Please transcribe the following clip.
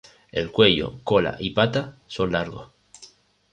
El cuello, cola y patas son largos.